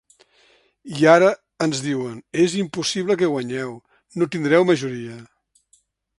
I ara ens diuen: és impossible que guanyeu, no tindreu majoria.